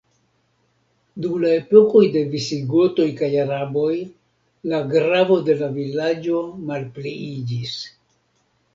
Dum la epokoj de visigotoj kaj araboj, la gravo de la vilaĝo malpliiĝis.